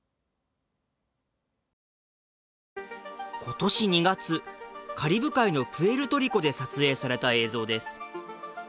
今年２月カリブ海のプエルトリコで撮影された映像です。